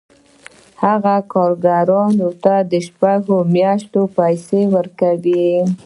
هغه کارګرانو ته د شپږو میاشتو پیسې ورکوي